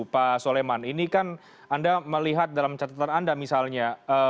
pak soleman ini kan anda melihat dalam catatan anda misalnya